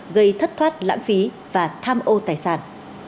gây thất thoát lãng phí và tham ô tài sản